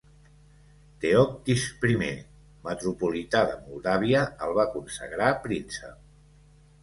Teoctist I, Metropolità de Moldàvia, el va consagrar príncep.